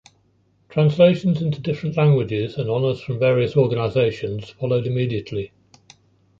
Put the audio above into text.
Translations into different languages and honors from various organizations followed immediately.